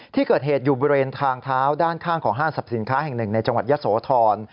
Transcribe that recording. ที่เกิดเหตุอยู่บริเวณทางเท้าด้านข้างของห้างสรรพสินค้าแห่งหนึ่งในจังหวัดยะโสธร